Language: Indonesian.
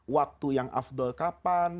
waktu yang afdol kapan